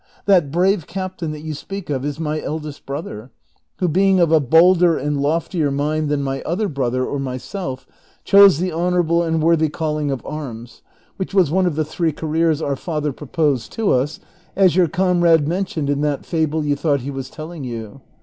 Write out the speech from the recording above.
That brave captain that you speak of is my eldest brother, who, being of a bolder and loftier mind than my other brother or myself, chose the honorable and worthy calling of arms, Avhich was one of the three careers our father proposed to us, as your comrade mentioned in that fable you thought he was telling you.